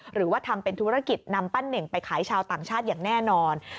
หรือว่าทำเป็นธุรกิจนำปั้นเน่งไปขายชาวต่างชาติอย่างแน่นอน